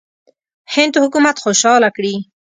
هند حکومت خوشاله کړي.